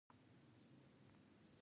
دریابونه د افغانستان د اقتصاد برخه ده.